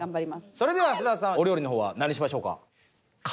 それでは菅田さんお料理の方は何にしましょうか？